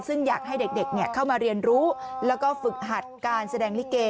ซึ่งอยากให้เด็กเข้ามาเรียนรู้แล้วก็ฝึกหัดการแสดงลิเก